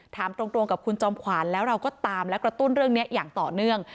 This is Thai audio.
ถามตรงกับคุณจอมขวานแล้วเราก็ตามและกระตุ้นเรื่องนี้อย่างต่อเนื่อง